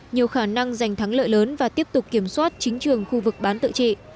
nhiều khả năng giành thắng lợi lớn và tiếp tục kiểm soát chính trường khu vực bán tự trị